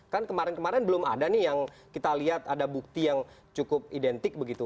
kan kemarin kemarin belum ada nih yang kita lihat ada bukti yang cukup identik begitu